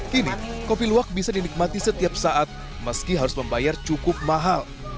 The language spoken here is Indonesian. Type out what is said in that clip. kini kopi luwak bisa dinikmati setiap saat meski harus membayar cukup mahal